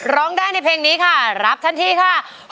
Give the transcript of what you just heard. ร้องได้ในเพลงนี้ค่ะรับทันทีค่ะ